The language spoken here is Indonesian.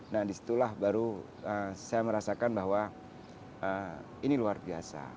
nah disitulah baru saya merasakan bahwa ini luar biasa